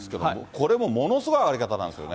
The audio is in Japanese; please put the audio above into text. これもものすごい上がり方なんですよね。